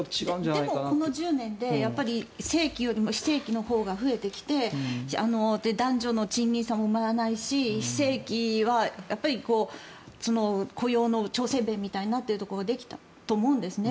でも、この１０年で正規よりも非正規のほうが増えてきて男女の賃金差も埋まらないし非正規は雇用の調整弁になってきたところはあると思うんです。